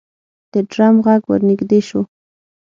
د ډرم غږ ورنږدې شو.